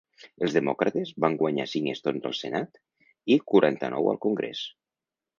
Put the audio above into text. Els demòcrates van guanyar cinc escons al Senat i quaranta-nou al Congrés.